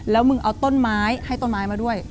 แล้วมึงเอาต้นไม้ให้ต้นไม้มาด้วย